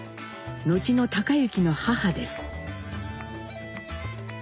後の隆之の母です。